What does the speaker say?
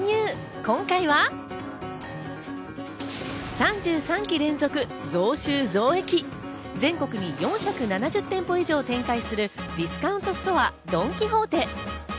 今回は３３期連続増収増益、全国に４７０店舗以上展開するディスカウントストア、ドン・キホーテ。